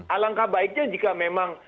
alangkah baiknya jika memang